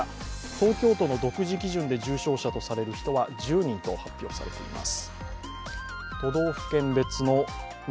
東京都の独自基準で重症者とされる人は１０人と発表されています。